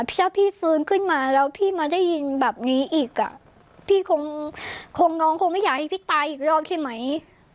ถ้าพี่ฟื้นขึ้นมาแล้วพี่มาได้ยินแบบนี้อีกอ่ะพี่คงน้องคงไม่อยากให้พี่ตายอีกรอบใช่ไหม